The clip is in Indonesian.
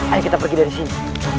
ayo kita pergi dari sini